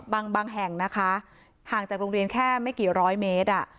บางแห่งนะคะห่างจากโรงเรียนแค่ไม่กี่ร้อยเมตร